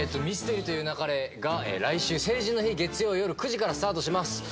『ミステリと言う勿れ』が来週成人の日月曜夜９時からスタートします。